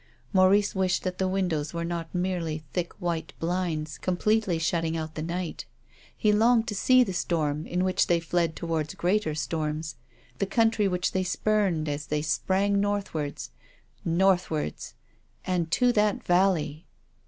Maurice wished that the windows were not merely thick white blinds completely shutting out the night. He longed to see the storm in which they fled towards greater storms, the country which they spurned as they sprang northwards ! Northwards ! And to that valley